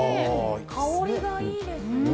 香りがいいですね。